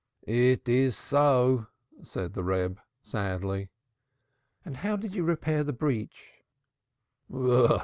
"It is so," said the Reb, sadly. "And how did you repair the breach?"